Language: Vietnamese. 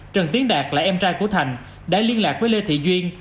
trần tiến đạt là em trai của thành đã liên lạc với lê thị duyên